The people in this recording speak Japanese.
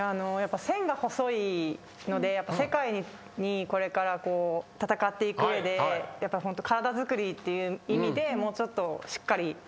線が細いので世界にこれから戦っていく上で体づくりっていう意味でもうちょっとしっかり。